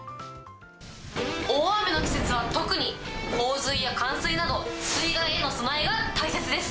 大雨の季節は特に洪水や冠水など、水害への備えが大切です。